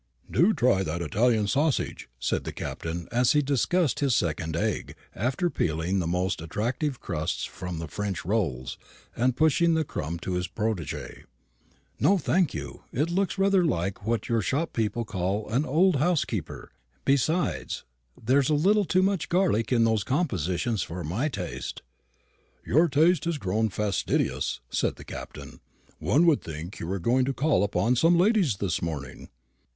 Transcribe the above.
"Do try that Italian sausage," said the Captain, as he discussed his second egg, after peeling the most attractive crusts from the French rolls, and pushing the crumb to his protégé. "No, thank you; it looks rather like what your shop people call an old housekeeper; besides, there's a little too much garlic in those compositions for my taste." "Your taste has grown fastidious," said the Captain; "one would think you were going to call upon some ladies this morning."